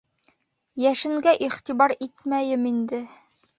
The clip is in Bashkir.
Йәшенгә иғтибар итмәйем инде.